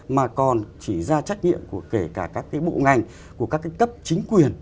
mà còn chỉ ra trách nhiệm của kể cả các cái bộ ngành của các cái cấp chính quyền